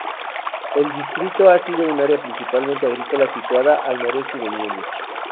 El distrito ha sido un área principalmente agrícola situada al noreste de Múnich.